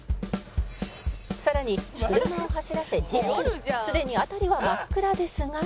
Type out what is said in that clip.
「さらに車を走らせ１０分」「すでに辺りは真っ暗ですが」